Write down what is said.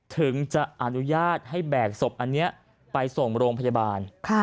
ถึงจะอนุญาตให้แบกศพอันนี้ไปส่งโรงพยาบาล